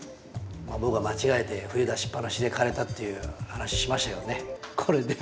まあ僕は間違えて冬出しっぱなしで枯れたっていう話しましたけどねこれで。